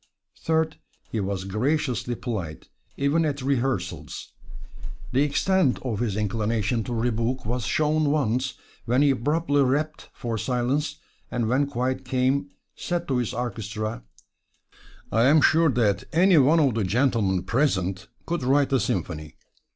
Third, he was graciously polite, even at rehearsals. The extent of his inclination to rebuke was shown once when he abruptly rapped for silence, and when quiet came said to his orchestra: "I am sure that any one of the gentlemen present could write a symphony.